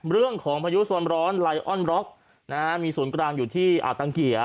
เรื่องของพายุสวรรค์ไลออนล็อกมีศูนย์กลางอยู่ที่อาตังเกียร์